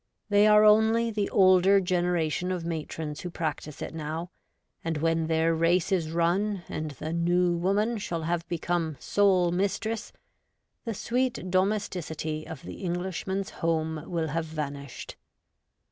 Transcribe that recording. They are only the older generation of matrons who practise it now, and when their race is run, and the New Woman shall have become sole mistress, the sweet domesticity of the Englishman's home will have vanished.